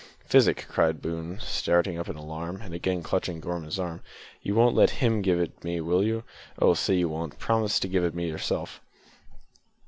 "Physic!" cried Boone, starting up in alarm, and again clutching Gorman's arm. "You won't let him give it me, will you? Oh! say you won't promise to give it me yourself!"